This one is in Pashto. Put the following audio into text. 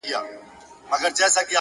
پوهه د محدودیتونو پولې نړوي.